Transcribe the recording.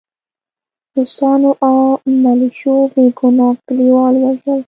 روسانو او ملیشو بې ګناه کلیوال ووژل